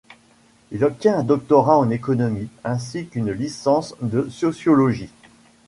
Il obtient un doctorat en économie ainsi qu'une licence de sociologie.